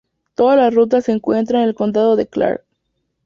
Toda la ruta se encuentra en el condado de Clark.